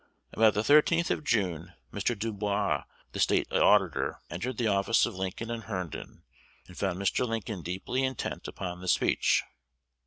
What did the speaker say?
About the 13th of June, Mr. Dubois, the State auditor, entered the office of Lincoln & Herndon, and found Mr. Lincoln deeply intent upon the speech.